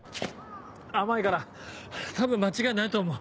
甘いから多分間違いないと思う。